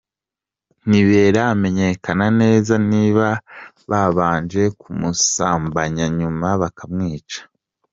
Ntibiramenyekana neza niba babanje kumusambanya nyuma bakamwica.